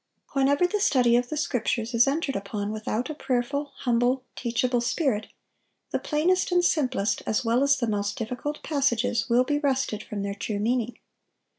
Whenever the study of the Scriptures is entered upon without a prayerful, humble, teachable spirit, the plainest and simplest as well as the most difficult passages will be wrested from their true meaning.